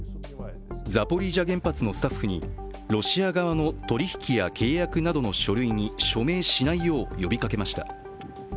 ザポリージャ原発のスタッフにロシア側の取り引きや契約などの書類に署名しないよう呼びかけました。